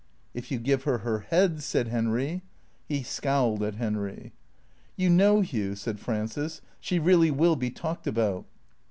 " If you give her her head," said Henry. He scowled at Henry. " You know, Hugh," said Frances, " she really will be talked about.'